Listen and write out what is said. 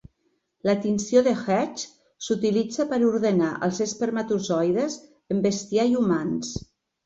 La tinció de Hoechst s'utilitza per ordenar els espermatozoides en bestiar i humans.